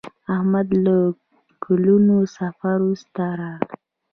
احمد له کلونو سفر وروسته راغی.